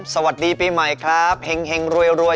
สวัสดีปีใหม่ครับเห็งรวย